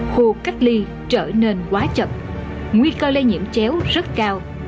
khu cách ly trở nên quá chập nguy cơ lây nhiễm chéo rất cao